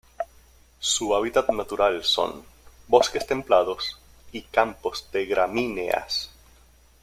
Su hábitat natural son: Bosques templados y campos de gramíneas.